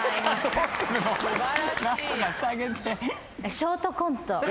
ショートコント